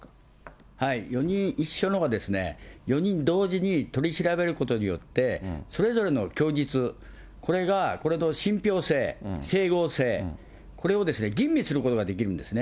４人一緒のほうがですね、４人同時に取り調べることによって、それぞれの供述、これが、これの信ぴょう性、整合性、これをですね、吟味することができるんですね。